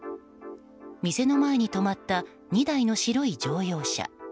店の前に止まった２台の白い乗用車。